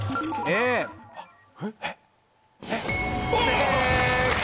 正解！